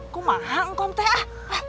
kok mahal kum teh